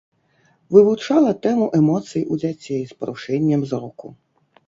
Вывучала тэму эмоцый у дзяцей з парушэннем зроку.